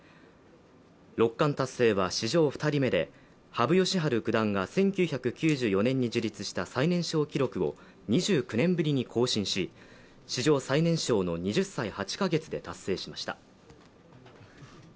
六冠達成は史上２人目で、羽生善治九段が１９９４年に樹立した最年少記録を２９年ぶりに更新し史上最年少の２０歳８か月で達成しました。